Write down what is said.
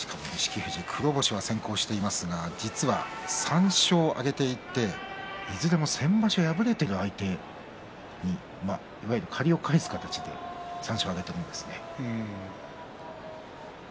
富士は黒星先行していますが３勝挙げていていずれも先場所敗れている相手に借りを返す形で３勝を挙げているんですね。